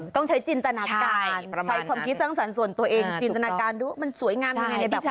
ต้องใช้จินตนาการใช้ความคิดสร้างสรรค์ส่วนตัวเองจินตนาการดูว่ามันสวยงามยังไงในพี่แจ